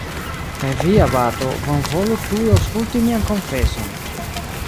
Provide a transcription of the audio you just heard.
Kaj vi, abato, bonvolu tuj aŭskulti mian konfeson!